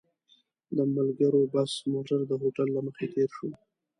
د ملګرو بس موټر د هوټل له مخې تېر شو.